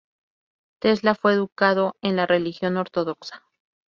Tesla fue educado en la religión ortodoxa.